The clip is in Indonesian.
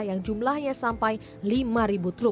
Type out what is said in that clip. yang jumlahnya sampai lima truk